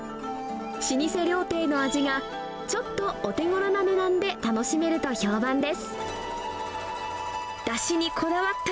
老舗料亭の味がちょっとお手ごろな値段で楽しめると評判です。